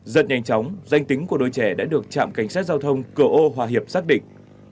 giật nhanh chóng danh tính của đội trẻ đã được trạm cảnh sát giao thông cửa ô hòa hiệp xác định